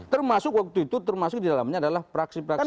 termasuk waktu itu termasuk di dalamnya adalah praksi praksi